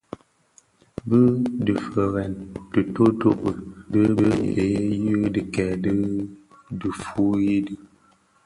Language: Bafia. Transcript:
Bi difeërèn tuutubi di bhee yi dhikèè dhi diifuyi di.